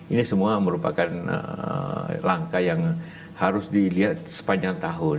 ini semua merupakan langkah yang harus dilihat sepanjang tahun